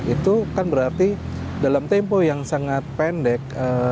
itu kan berarti dalam tempo yang sangat pendek